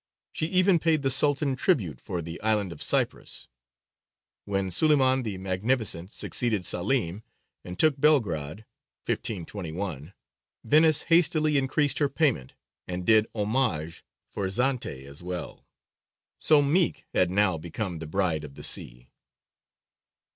She even paid the Sultan tribute for the island of Cyprus. When Suleymān the Magnificent succeeded Selīm and took Belgrade (1521), Venice hastily increased her payment and did homage for Zante as well. So meek had now become the Bride of the Sea.